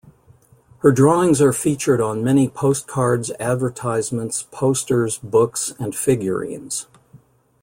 Her drawings are featured on many postcards, advertisements, posters, books and figurines.